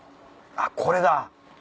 あっこれだ。